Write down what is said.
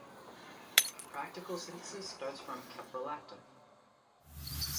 A practical synthesis starts from caprolactam.